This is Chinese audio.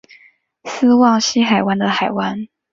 斯旺西海湾的海湾。